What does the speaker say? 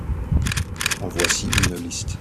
En voici une liste.